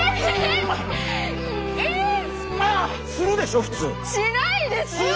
しないですよ！